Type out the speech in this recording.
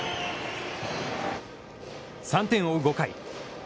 ３点を追う５回。